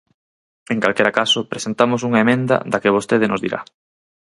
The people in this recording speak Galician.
En calquera caso, presentamos unha emenda da que vostede nos dirá.